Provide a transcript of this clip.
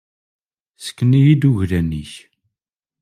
Sken-iyi-d uglan-ik.